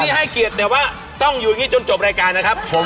ขอบคุณที่ให้เกียรติเนี่ยว่าต้องอยู่อย่างนี้จนจบรายการนะครับ